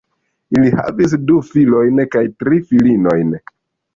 Ili havis du filojn kaj tri filinojn.